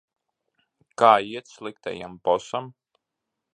Kā iet sliktajam bosam?